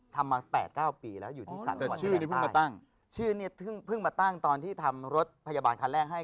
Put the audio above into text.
ทำมา๘๙ปีแล้วอยู่ที่สรรค์หวัดในด้านใต้